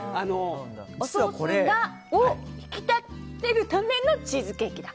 おソースを引き立てるためのチーズケーキだ！